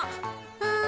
うん。